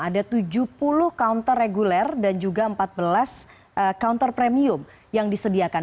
ada tujuh puluh counter reguler dan juga empat belas counter premium yang disediakan